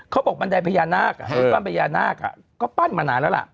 เขาบอกบันไดพยานาคก็ปั้นมานานแล้วล่ะ